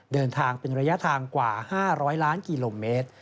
เดินทางเป็นระยะทางกว่า๕๐๐ล้านกิโลเมตร